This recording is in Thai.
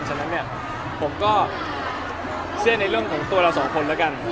ฉะนั้นเนี่ยผมก็เชื่อในเรื่องของตัวเราสองคนแล้วกัน